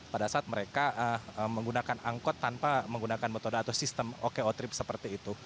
pada saat mereka menggunakan angkot tanpa menggunakan metode atau sistem oko trip seperti itu